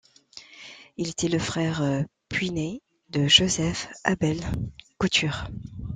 Il était le frère puîné de Joseph-Abel Couture.